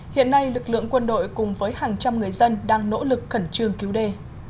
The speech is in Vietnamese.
hiện nay lực lượng quân đội cùng với hàng trăm người dân đang nỗ lực khẩn trương cứu đê